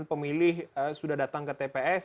pemilih sudah datang ke tps